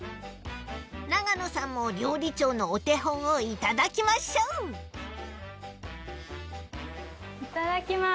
永野さんも料理長のお手本をいただきましょういただきます。